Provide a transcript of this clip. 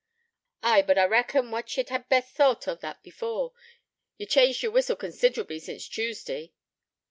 'Ay, but I reckon what ye'd ha best thought o' that before. Ye've changed yer whistle considerably since Tuesday.